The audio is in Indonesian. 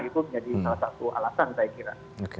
itu menjadi salah satu alasan saya kira